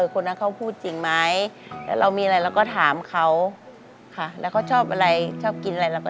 ฝากดินแหมอยากฟังซะละ